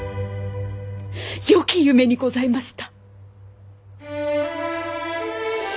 よき夢にございました。